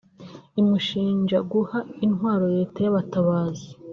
imushinja guha intwaro Leta y’abatabazi